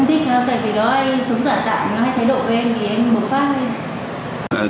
chị em không thích tại vì đó anh sống giả tạm nó hay thay đội em thì em bước phát